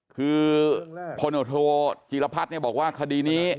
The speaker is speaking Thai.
คือพลโอโทจีรพัฒน์บอกว่าคดีนี้